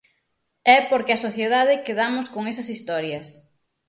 É porque a sociedade quedamos con esas historias.